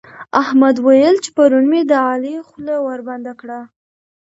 احمد ويل چې پرون مې د علي خوله وربنده کړه.